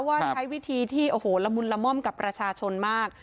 ว่าใช้วิธีที่โอ้โหละมุนละม่อมกับประชาชนมาก